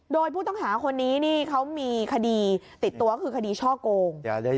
โดยผู้ต้องหาคนนี้นี่เขามีคดีติดตัวก็คือคดีช่อโกง